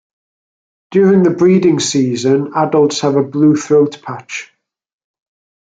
During the breeding season, adults have a blue throat patch.